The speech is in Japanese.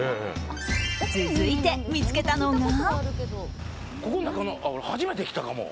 続いて見つけたのが。